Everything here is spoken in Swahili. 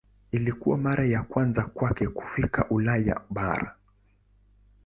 Ilikuwa mara ya kwanza kwake kufika Ulaya bara.